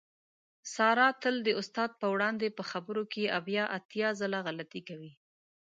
ساره تل د استاد په وړاندې په خبرو کې اویا اتیا غلطېږي.